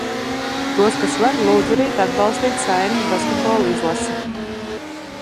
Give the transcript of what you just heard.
Tos, kas var, lūdzu rīt atbalstīt Saeimas basketbola izlasi.